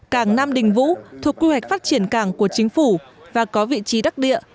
cảng nam đình vũ thuộc quy hoạch phát triển cảng của chính phủ và có vị trí đắc địa